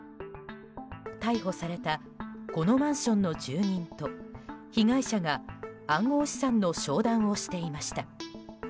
逮捕されたこのマンションの住人と被害者が暗号資産の商談をしていました。